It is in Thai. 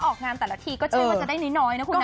ออกงานแต่ละทีก็ใช่ว่าจะได้น้อยนะคุณนะ